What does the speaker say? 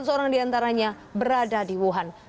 seratus orang di antaranya berada di wuhan